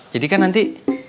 jadi kan nanti